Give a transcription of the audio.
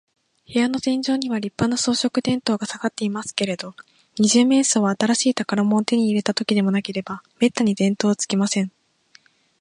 部屋の天井には、りっぱな装飾電燈がさがっていますけれど、二十面相は、新しい宝物を手に入れたときででもなければ、めったに電燈をつけません。